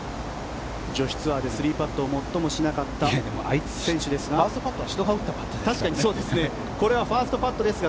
女子ツアーで３パットを最もしなかった選手ですが。